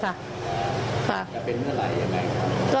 จะเป็นเมื่อไหร่ยังไงครับ